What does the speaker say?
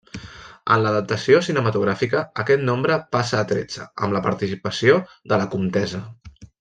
En l'adaptació cinematogràfica, aquest nombre passa a tretze, amb la participació de la comtessa.